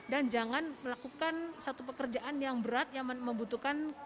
dan jangan melakukan satu pekerjaan yang berat yang membutuhkan konsentrasi